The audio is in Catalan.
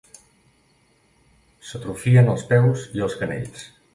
S'atrofien els peus i els canells.